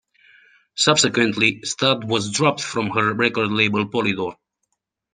Subsequently, Studt was dropped from her record label Polydor.